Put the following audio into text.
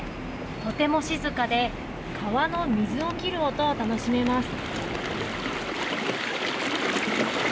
とても静かで川の水を切る音を楽しめます。